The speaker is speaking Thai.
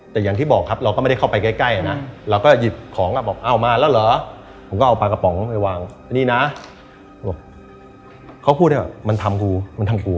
แต่อย่างที่บอกครับเราก็ไม่ได้เข้าไปใกล้นะเราก็หยิบของอ่ะบอกเอามาแล้วเหรอผมก็เอาปลากระป๋องไปวางไอ้นี่นะบอกเขาพูดได้ว่ามันทำกูมันทำกู